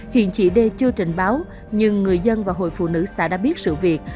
hiện chị đê chưa trình báo nhưng người dân và hội phụ nữ xã đã biết sự việc